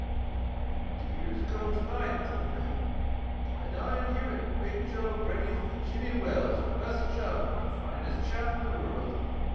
"Twenty years ago to night," said the man, "I dined here at 'Big Joe' Brady's with Jimmy Wells, my best chum, and the finest chap in the world.